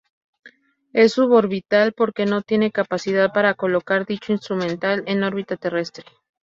Es suborbital porque no tiene capacidad para colocar dicho instrumental en órbita terrestre.